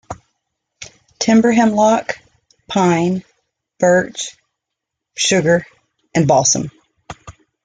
Timber Hemlock, Pine, Birch Sugar and Balsom.